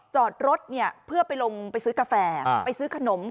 จอดรถเพื่อไปลงไปซื้อกาแฟไปซื้อขนม